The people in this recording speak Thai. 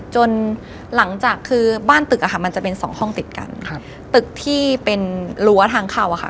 จนหลังจากคือบ้านตึกอะค่ะมันจะเป็นสองห้องติดกันครับตึกที่เป็นรั้วทางเข้าอะค่ะ